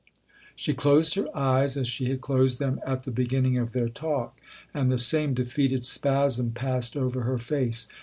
She closed her eyes as she had closed them at the beginning of their talk, and the same defeated spasm passed over her face.